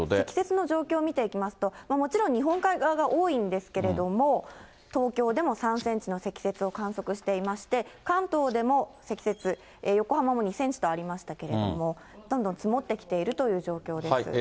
積雪の状況、見ていきますと、もちろん日本海側が多いんですけれども、東京でも３センチの積雪を観測していまして、関東でも積雪、横浜も２センチとありましたけれども、どんどん積もってきているという状況です。